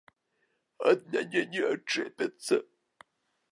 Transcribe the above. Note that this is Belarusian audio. Ад мяне не адчэпяцца.